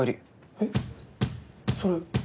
えっそれ。